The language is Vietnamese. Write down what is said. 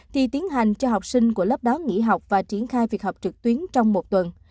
thì tiến hành cho học sinh của lớp đó nghỉ học và triển khai việc học trực tuyến trong một tuần